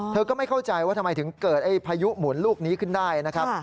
ก็ไม่เข้าใจว่าทำไมถึงเกิดพายุหมุนลูกนี้ขึ้นได้นะครับ